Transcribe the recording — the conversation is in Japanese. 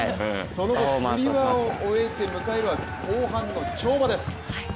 その後はつり輪を終えて迎えたのは後半の跳馬です。